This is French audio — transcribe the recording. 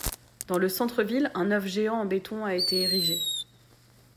Dans le centre ville un œuf géant en béton a été érigé.